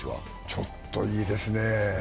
ちょっといいですね。